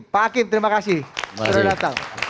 pak akim terima kasih sudah datang